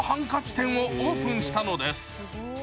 店をオープンしたのです。